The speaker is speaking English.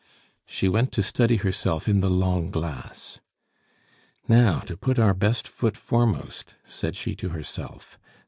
She went to study herself in the long glass. "Now, to put our best foot foremost!" said she to herself.